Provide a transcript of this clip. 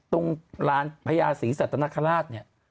ตรงร้านพระยาศิริสัตว์ตระนักฮาราชเนี่ย